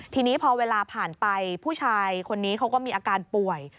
ทีนี้พอเวลาผ่านไปผู้ชายคนนี้เขาก็มีอาการป่วย